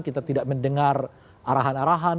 kita tidak mendengar arahan arahan